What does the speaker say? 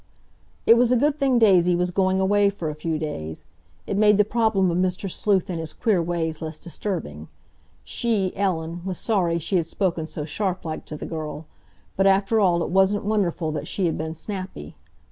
It was a good thing Daisy was going away for a few days; it made the problem of Mr. Sleuth and his queer ways less disturbing. She, Ellen, was sorry she had spoken so sharp like to the girl, but after all it wasn't wonderful that she had been snappy.